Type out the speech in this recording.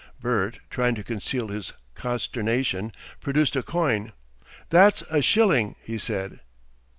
Bert, trying to conceal his consternation, produced a coin. "That's a shilling," he said.